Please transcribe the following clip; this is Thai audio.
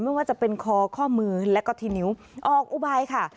ไม่ว่าจะเป็นคอข้อมือแล้วก็ที่นิ้วออกอุบายค่ะ